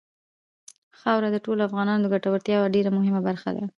خاوره د ټولو افغانانو د ګټورتیا یوه ډېره مهمه برخه ده.